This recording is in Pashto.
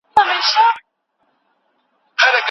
مورنۍ ژبه په زده کړه کې کمک کوي.